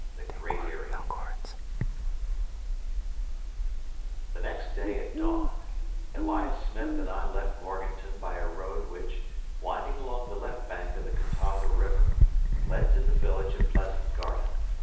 THE GREAT EYRIE The next day at dawn, Elias Smith and I left Morganton by a road which, winding along the left bank of the Catawba River, led to the village of Pleasant Garden.